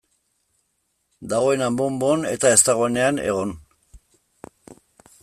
Dagoenean bon-bon, eta ez dagoenean egon.